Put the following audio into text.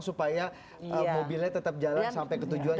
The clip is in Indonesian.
supaya mobilnya tetap jalan sampai ketujuan